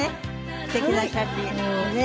素敵な写真ね。